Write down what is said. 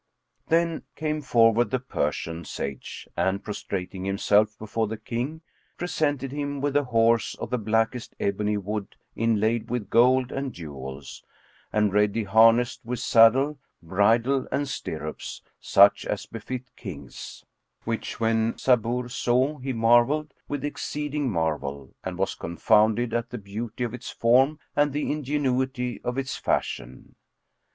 Then came forward the Persian sage and, prostrating himself before the King, presented him with a horse[FN#5] of the blackest ebony wood inlaid with gold and jewels, and ready harnessed with saddle, bridle and stirrups such as befit Kings; which when Sabur saw, he marvelled with exceeding marvel and was confounded at the beauty of its form and the ingenuity of its fashion.